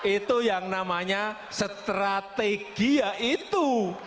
itu yang namanya strategia itu